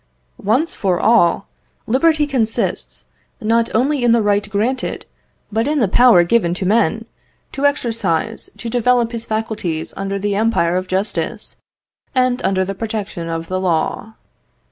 "Once for all: liberty consists, not only in the right granted, but in the power given to man, to exercise, to develop his faculties under the empire of justice, and under the protection of the law.